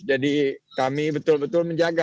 jadi kami betul betul menjaga